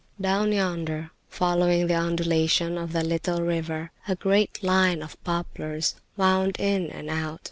Down yonder, following the undulations of the little river, a great line of poplars wound in and out.